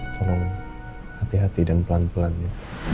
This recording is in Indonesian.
tolong hati hati dan pelan pelan ya